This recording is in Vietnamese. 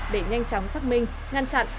để nhanh chóng xác minh ngăn chặn